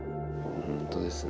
本当ですね。